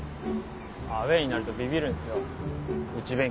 アウェーになるとビビるんすよ内弁